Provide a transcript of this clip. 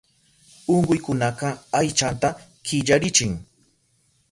Unkuykunaka aychanta killarichin.